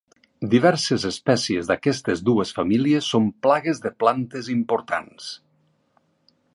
Diverses espècies d'aquestes dues famílies són plagues de plantes importants.